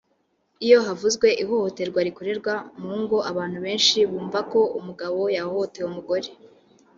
Iyo havuzwe ihohoterwa rikorerwa mu ngo abantu benshi bumva ko umugabo yahohoteye umugore